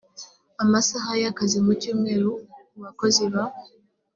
amasaha y akazi mu cyumweru ku bakozi ba